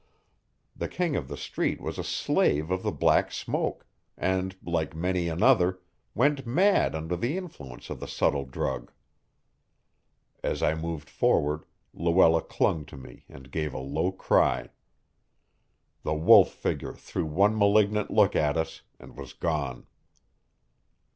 The King of the Street was a slave of the Black Smoke, and, like many another, went mad under the influence of the subtle drug. As I moved forward, Luella clung to me and gave a low cry. The Wolf figure threw one malignant look at us and was gone.